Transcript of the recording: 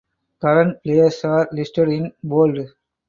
Current players are listed in bold.